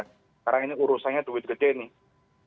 sekarang ini urusannya duit gede nih